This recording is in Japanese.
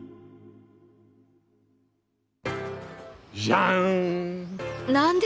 じゃん。